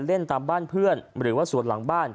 เล่นตามบ้านเพื่อนหรือว่าสวดหลังบ้าน